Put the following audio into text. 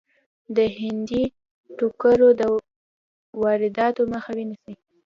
د هندي ټوکرو د وادراتو مخه ونیسي.